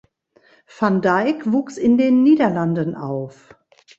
Van Dijk wuchs in den Niederlanden auf.